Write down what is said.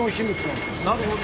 なるほど。